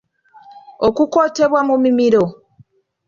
Okukootebwa mu mimiro.